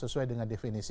sesuai dengan definisi